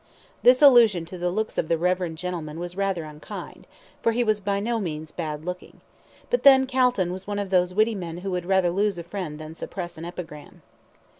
This allusion to the looks of the reverend gentleman was rather unkind, for he was by no means bad looking. But then Calton was one of those witty men who would rather lose a friend than suppress an epigram.